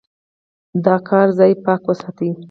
د کار ځای پاک وساتئ.